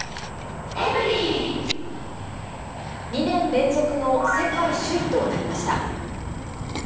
２年連続の世界首位となりました。